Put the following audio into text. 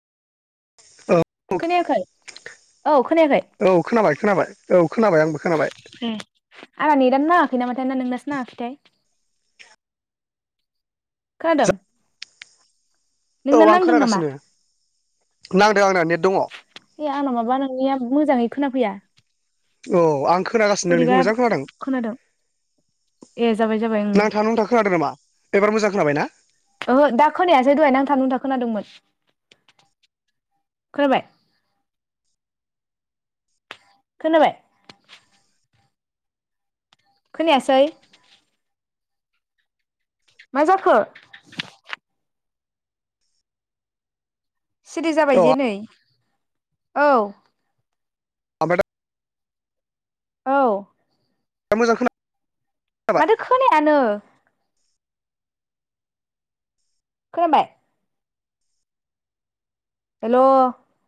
औ खोनायाखै औ खोनायाखै औ खोनाबाय खोनाबाय औ खोनाबाय आंबो खोनाबाय आंना नेतआनो नाङाखै नामाथाय ना नोंनासो नाङाखैथाय खोनादों औ नोंना आं नांदों नामा खोनागासिनो नांदों आंना नेत ए आंनाव माबा नोंनिया मोजाङै खोनाफैया अ आं खोनागासिनो नोंनिखौ बोरैबा मोजां खोनादों ए जाबाय जाबाय ओं नांथा नुंथा खोनादों नामा एबार मोजां खोनाबायना? ओहो दा खोनायासै दहाय नांथा नुंथा खोनादोंमोन खोनाबाय खोनाबाय खोनायासै मा जाखो? सिरि जाबाय औ जे नै औ [unintelligible] औ दा मोजां खोना माथो खोनायानो खोनाबाय? हेल'